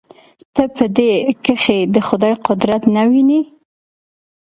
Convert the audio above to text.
ته په دې کښې د خداى قدرت نه وينې.